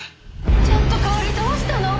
ちょっと香織どうしたの？